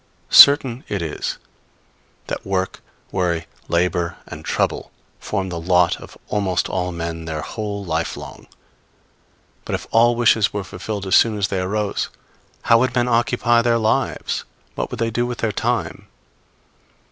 Certain it is that work, worry, labor and trouble, form the lot of almost all men their whole life long. But if all wishes were fulfilled as soon as they arose, how would men occupy their lives? what would they do with their time?